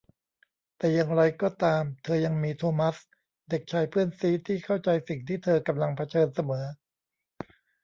แต่อย่างไรก็ตามเธอยังมี โธมัส เด็กชายเพื่อนซี้ที่เข้าใจสิ่งที่เธอกำลังเผชิญเสมอ